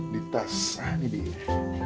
di tas ini dia